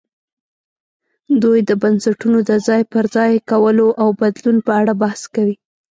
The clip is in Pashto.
دوی د بنسټونو د ځای پر ځای کولو او بدلون په اړه بحث کوي.